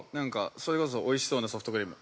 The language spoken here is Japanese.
◆それこそおいしそうなソフトクリーム。